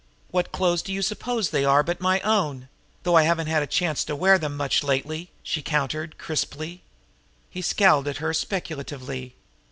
"What clothes do you suppose they are but my own? though I haven't had a chance to wear them much lately!" she countered crisply. He scowled at her speculatively.